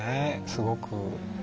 すごく。